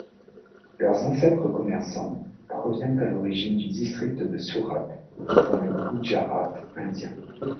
Leurs ancêtres commerçants proviennent à l'origine du district de Surate dans le Gujarat indien.